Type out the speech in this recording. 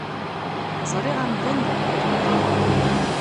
Zṛiɣ amdan deg ubrid.